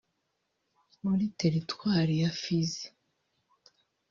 muri Teritwari ya Fizi